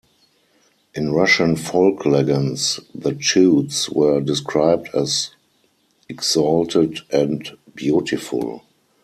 In Russian folk legends, the Chudes were described as exalted and beautiful.